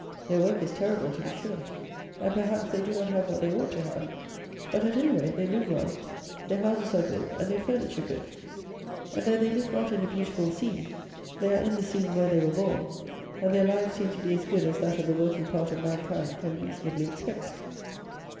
Their work is terrible, to be sure; and, perhaps, they do not have what they ought to have; but, at any rate, they live well, their houses are good and their furniture good; and though they live not in a beautiful scene, they are in the scene where they were born, and their lives seem to be as good as that of the working part of mankind can reasonably expect.